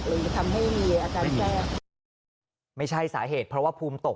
หรือทำให้มีอาการแทรกไม่ใช่สาเหตุเพราะว่าภูมิตก